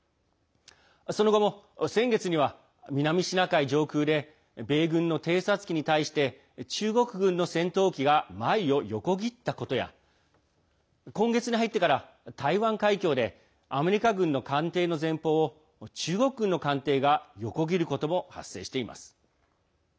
その後も先月には南シナ海上空で米軍の偵察機に対して中国軍の戦闘機が前を横切ったことや今月に入ってから、台湾海峡でアメリカ軍の艦艇の前方を中国軍の艦艇が横切ることも発生しています。